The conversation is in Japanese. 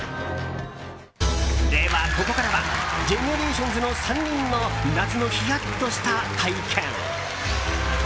では、ここからはＧＥＮＥＲＡＴＩＯＮＳの３人の夏のヒヤッとした体験。